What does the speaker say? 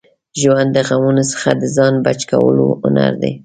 ژوند د غمونو څخه د ځان بچ کولو هنر دی.